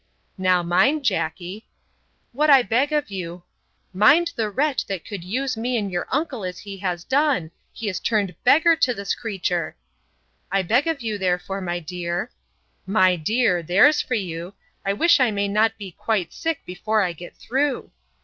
—'Now mind, Jackey.'—What I beg of you—'Mind the wretch, that could use me and your uncle as he has done; he is turned beggar to this creature!'—I beg of you, therefore, my dear—'My dear! there's for you!—I wish I may not be quite sick before I get through.